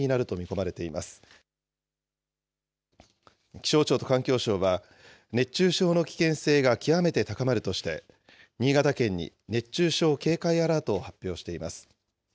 気象庁と環境省は、熱中症の危険性が極めて高まるとして、新潟県に熱中症警戒アラートを発表しています。